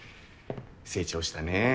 成長したね。